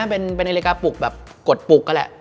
เป็นนาฬิกาปลุกแบบกดปลุกนั่นแหละ